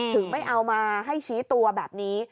ไม่เอามาให้ชี้ตัวแบบนี้